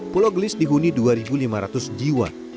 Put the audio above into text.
pulau gelis dihuni dua lima ratus jiwa